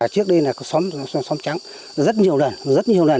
trước đây là có xóm trắng rất nhiều lần rất nhiều lần